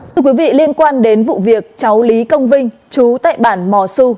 thưa quý vị liên quan đến vụ việc cháu lý công vinh chú tại bản mò su